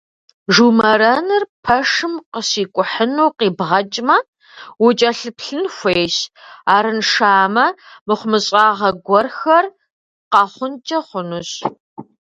Жумэрэныр пэшым къыщикӏухьыну къибгъэкӏмэ, укӏэлъыплъын хуейщ, арыншамэ, мыхъумыщӏагъэ гуэрхэр къэхъункӏэ хъунущ.